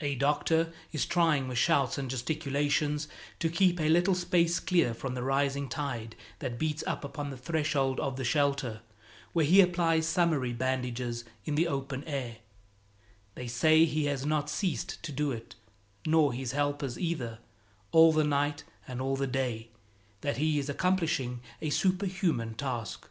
A doctor is trying with shouts and gesticulations to keep a little space clear from the rising tide that beats upon the threshold of the shelter, where he applies summary bandages in the open air; they say he has not ceased to do it, nor his helpers either, all the night and all the day, that he is accomplishing a superhuman task.